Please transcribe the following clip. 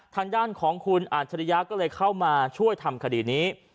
ทางด้านของคุณอัจฉริยะก็เลยเข้ามาช่วยทำคดีนี้